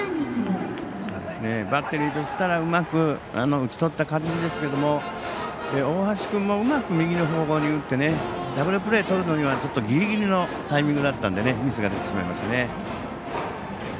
バッテリーとしたらうまく打ち取った感じですけど大橋君もうまく右の方向に打ってダブルプレーとるにはちょっとギリギリのタイミングだったのでミスが出てしまいましたね。